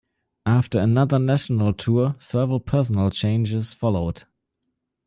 After another national tour, several personnel changes followed.